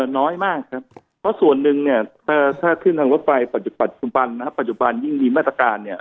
น้อยมากครับเพราะส่วนนึงถ้าถึงทางรถไฟปัจจุบันปัจจุบันยิ่งมีมาตรการเนี่ย